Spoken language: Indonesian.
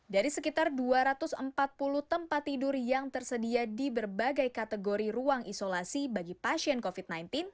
dari sekitar dua ratus empat puluh tempat tidur yang tersedia di berbagai kategori ruang isolasi bagi pasien covid sembilan belas